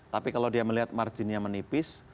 tapi kalau dia melihat marginnya menipis